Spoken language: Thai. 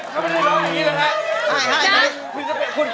เขาไปกันเรื่องคนนี้หรือไง